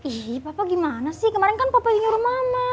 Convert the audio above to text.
eh papa gimana sih kemarin kan papa ini nyuruh mama